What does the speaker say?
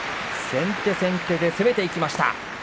先手先手で攻めていきました。